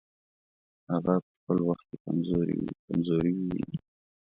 هغه په خپل وخت کې کمزوري وویني.